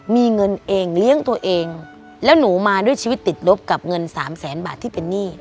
มีเงินเองเลี้ยงตัวเองแล้วหนูมาด้วยชีวิตติดลบกับเงินสามแสนบาทที่เป็นหนี้